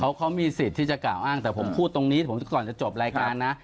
เขามีสิทธิ์ที่จะกล่าวอ้างแต่ผมพูดตรงนี้ก่อนจะจบรายการนะ